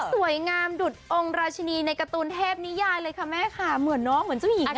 สวยงามดุดองค์ราชินีในการ์ตูนเทพนิยายเลยค่ะแม่ค่ะเหมือนน้องเหมือนเจ้าหญิงนะคะ